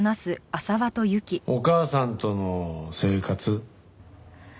お母さんとの生活。